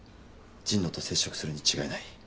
神野と接触するに違いない。